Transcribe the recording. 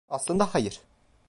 Aslında hayır.